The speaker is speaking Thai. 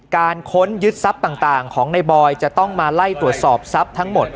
ค้นยึดทรัพย์ต่างของในบอยจะต้องมาไล่ตรวจสอบทรัพย์ทั้งหมด